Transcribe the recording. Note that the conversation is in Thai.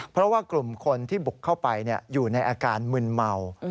เพราะว่ากลุ่มคนที่บุกเข้าไปอยู่ในอาการมึนเมา